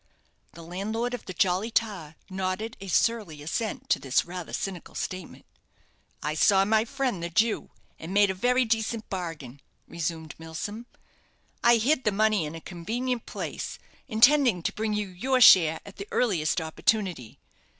The landlord of the 'Jolly Tar' nodded a surly assent to this rather cynical statement. "I saw my friend the Jew, and made a very decent bargain," resumed Milsom. "I hid the money in a convenient place, intending to bring you your share at the earliest opportunity.